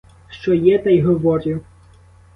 Що є, те й говорю!